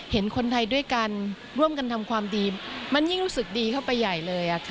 เห็นคนไทยด้วยกันร่วมกันทำความดีมันยิ่งรู้สึกดีเข้าไปใหญ่เลย